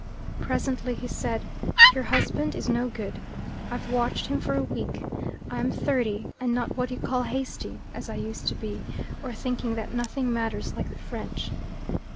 Presently he said, "Your husband is no good. I've watched him for a week. I'm thirty, and not what you call hasty, as I used to be, or thinking that nothing matters like the French.